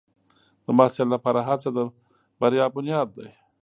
د محصل لپاره هڅه د بریا بنیاد دی.